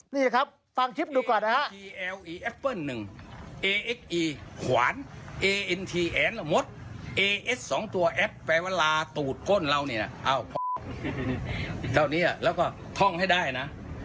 นี่ครับฟังคลิปดูก่อนนะฮะ